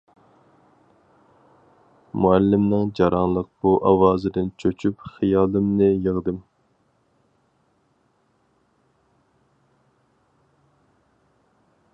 مۇئەللىمنىڭ جاراڭلىق بۇ ئاۋازىدىن چۆچۈپ خىيالىمنى يىغدىم.